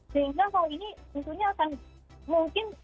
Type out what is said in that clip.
sehingga kalau ini tentunya akan mungkin